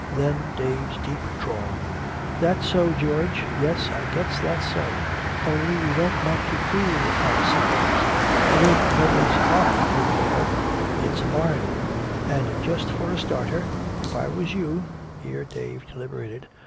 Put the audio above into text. Then Dave's deep drawl: "That's so, George yes, I guess that's so. Only we don't want to fool ourselves. That ain't Noah's Ark over thar it's a barn. And just for a starter, if I was you " Here Dave deliberated.